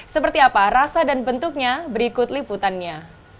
seperti apa rasa dan bentuknya berikut liputannya